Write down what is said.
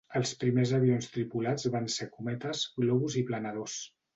Els primers avions tripulats van ser cometes, globus i planadors.